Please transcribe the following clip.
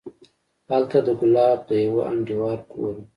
هلته د ګلاب د يوه انډيوال کور و.